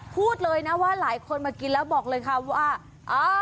พูดเลยนะว่าหลายคนมากินแล้วบอกเลยค่ะว่า